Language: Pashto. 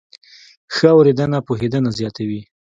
ښه اورېدنه پوهېدنه زیاتوي.